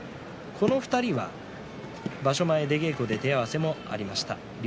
この２人は場所前、出稽古で手合わせもありました竜